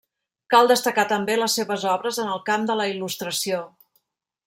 Cal destacar també les seves obres en el camp de la il·lustració.